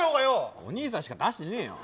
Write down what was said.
お兄さんしか出してねえよ。